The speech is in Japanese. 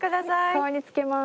顔につけます。